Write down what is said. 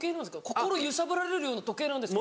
心揺さぶられるような時計なんですか？